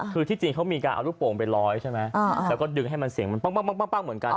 คือที่จริงเขามีการเอารูปโป่งไปลอยใช่ไหมอ่าแล้วก็ดึงให้มันเสียงมันปั้งปั้งปั้งปั้งเหมือนกัน